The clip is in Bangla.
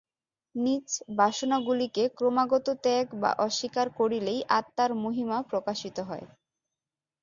নীচ বাসনাগুলিকে ক্রমাগত ত্যাগ বা অস্বীকার করিলেই আত্মার মহিমা প্রকাশিত হয়।